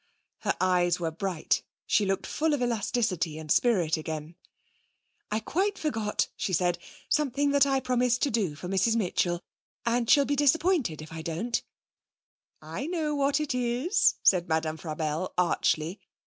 Her eyes were bright. She looked full of elasticity and spirit again. 'I quite forgot,' she said, 'something that I promised to do for Mrs Mitchell. And she'll be disappointed if I don't.' 'I know what it is,' said Madame Frabelle archly.